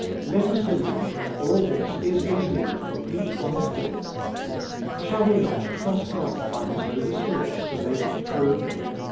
Let us believe that all this is indeed for each one here. Shall we not trust God by His Holy Spirit to make it true?